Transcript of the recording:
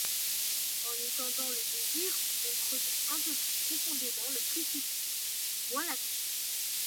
En étendant le désir, on creuse un peu plus profondément le précipice, voilà tout.